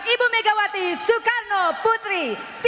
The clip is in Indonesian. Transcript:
ibu megawati soekarno putri